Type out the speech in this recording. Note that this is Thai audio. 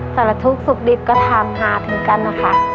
แต่ว่าทุกสุขดิสก็ทำหาถึงกันนะคะ